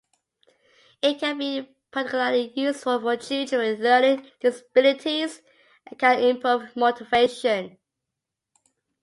It can be particularly useful for children with learning disabilities and can improve motivation.